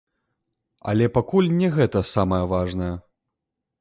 Але пакуль не гэта самае важнае.